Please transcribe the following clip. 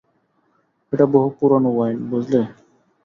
এটা বহু পুরানো ওয়াইন, বুঝলে?